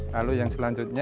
lalu yang selanjutnya